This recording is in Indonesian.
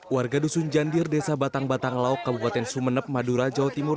warga dusun jandir desa batang batang lauk kabupaten sumeneb madura jawa timur